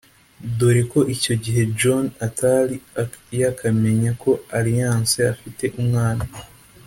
dore ko icyo gihe John atari yakamenya ko Alliance afite umwana